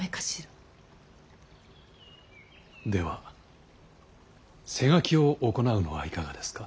では施餓鬼を行うのはいかがですか。